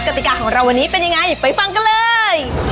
ติกาของเราวันนี้เป็นยังไงไปฟังกันเลย